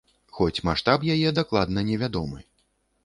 Хоць маштаб яе дакладна невядомы.